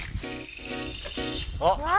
あっ！